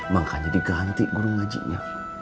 makanya diganti guru ngajinya